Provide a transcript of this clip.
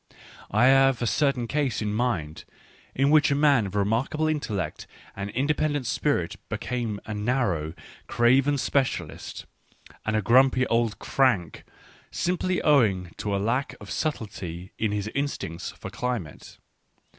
I have a certain case in mind in which a man of remarkable intellect and independent spirit became a narrow, craven specialist and a grumpy old crank, simply owing to a lack of subtlety in his instinct for climate.